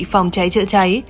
phòng cháy chữa cháy